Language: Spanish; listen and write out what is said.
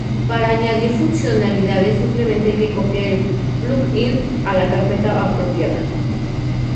Para añadir funcionalidades simplemente hay que copiar el "plug-in" a la carpeta apropiada.